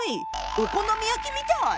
お好み焼きみたい。